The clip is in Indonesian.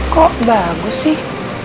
kok bagus sih